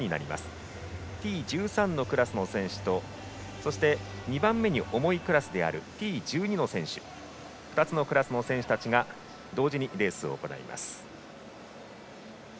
Ｔ１３のクラスの選手と２番目に重いクラスであるＴ１２の選手２つのクラスの選手たちが同時にレースを行います。